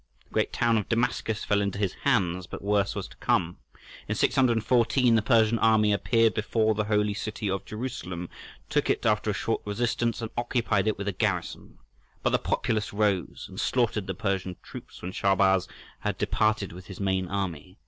The great town of Damascus fell into his hands; but worse was to come. In 614 the Persian army appeared before the holy city of Jerusalem, took it after a short resistance, and occupied it with a garrison. But the populace rose and slaughtered the Persian troops when Shahrbarz had departed with his main army.